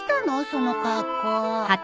その格好。